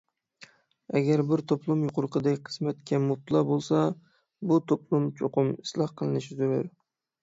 ئەگەر بىر توپلۇم يۇقىرىقىدەك قىسمەتكە مۇپتىلا بولسا، بۇ توپلۇم چوقۇم ئىسلاھ قىلىنىشى زۆرۈر.